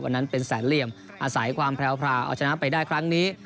นั้นเป็นแสนเหลี่ยมอาศัยความแพรวเอาชนะไปได้ครั้งนี้